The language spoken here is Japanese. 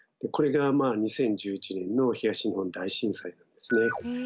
これが２０１１年の東日本大震災ですね。